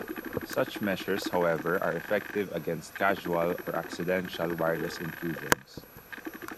Such measures however are effective against casual or accidental wireless intrusions.